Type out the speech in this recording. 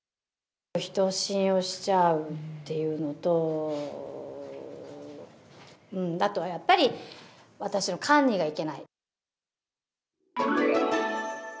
人を信用しちゃうっていうのと、あとやっぱり、私の管理がいけない。